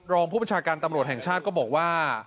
รองผู้บัญชาการตำรวจแห่งชาติก็บอกว่า